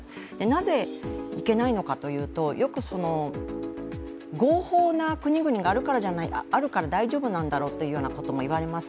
なぜ、いけないのかというとよく合法な国々があるから大丈夫なんだろうというようなことも言われます。